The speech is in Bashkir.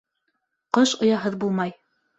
Ҡош ояһыҙ булмай.